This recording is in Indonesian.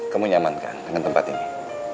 kamu nyaman kan dengan tempat ini